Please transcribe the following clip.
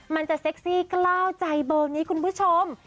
เซ็กซี่กล้าวใจเบอร์นี้คุณผู้ชม